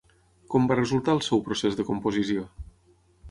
Com va resultar el seu procés de composició?